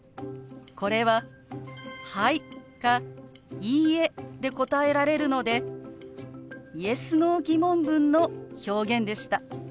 これは「はい」か「いいえ」で答えられるのでＹｅｓ／Ｎｏー疑問文の表現でした。